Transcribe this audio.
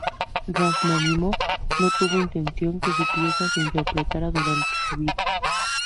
Rajmáninov no tuvo intención de que su pieza se interpretara durante su vida.